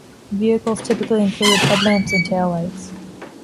Vehicles typically include headlamps and tail lights.